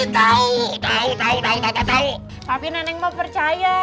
tapi nenek mau percaya